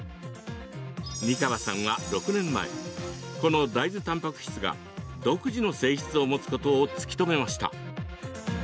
二川さんは、６年前この大豆たんぱく質が独自の性質を持つことを突き止めました。